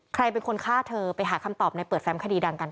ใครเป็นคนฆ่าเธอไปหาคำตอบในเปิดแฟมคดีดังกัน